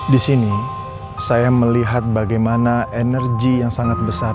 di sini saya melihat bagaimana energi yang sangat besar